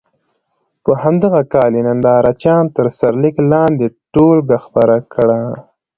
په همدغه کال یې ننداره چیان تر سرلیک لاندې ټولګه خپره کړه.